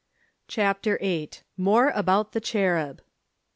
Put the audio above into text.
CHAPTER VIII. MORE ABOUT THE CHERUB.